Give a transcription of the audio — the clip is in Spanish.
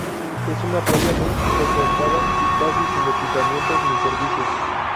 Es una playa muy frecuentada y casi sin equipamientos ni servicios.